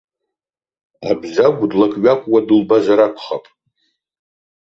Абзагә длак-ҩакуа дылбазар акәхап.